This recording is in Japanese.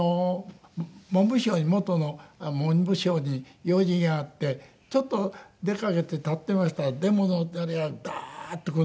私元の文部省に用事があってちょっと出かけて立っていましたらデモのあれがダーッとこう。